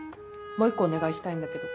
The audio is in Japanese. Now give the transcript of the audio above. もう１個お願いしたいんだけど。